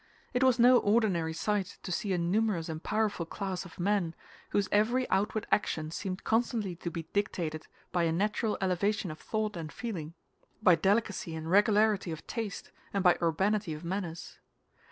It was no ordinary sight to see a numerous and powerful class of men, whose every outward action seemed constantly to be dictated by a natural elevation of thought and feeling, by delicacy and regularity of taste, and by urbanity of manners.